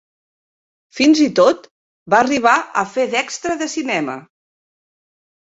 Fins i tot va arribar a fer d'extra de cinema.